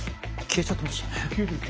消えちゃってましたね。